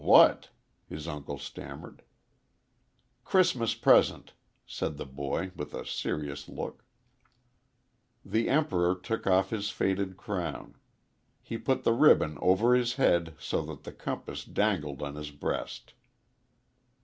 "Wh what?" his uncle stammered. "C'ris'mus present," said the boy, with a serious look. The Emperor took off his faded crown. He put the ribbon over his head so that the compass dangled on his breast.